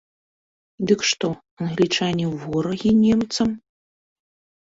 Дык што, англічане ворагі немцам?